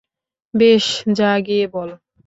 বেশ, যা গিয়ে বল।